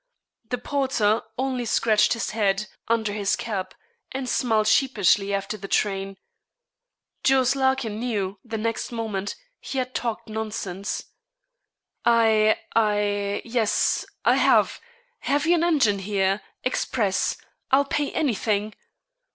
The porter only scratched his head, under his cap, and smiled sheepishly after the train. Jos. Larkin knew, the next moment, he had talked nonsense. 'I I yes I have have you an engine here: express I'll pay anything.'